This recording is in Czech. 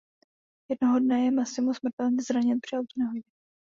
Jednoho dne je Massimo smrtelně zraněn při autonehodě.